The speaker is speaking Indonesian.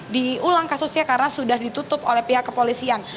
diulang kasusnya karena sudah ditutup oleh pihak kepolisian